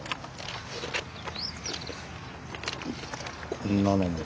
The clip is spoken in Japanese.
こんなのも。